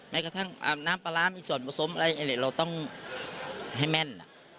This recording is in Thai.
แม้กระทั่งน้ำปลาร้ามีส่วนผสมอะไรเราต้องให้แม่น